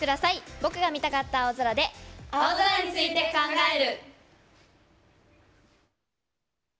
僕が見たかった青空で「青空について考える」。